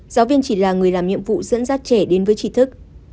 giáo viên chỉ là người làm nhiệm vụ dẫn dắt trẻ đến với trí thức